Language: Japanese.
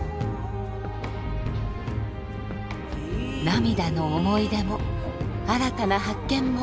涙の思い出も新たな発見も。